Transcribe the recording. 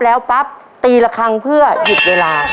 แล้วปั๊บตีละครั้งเพื่อหยุดเวลา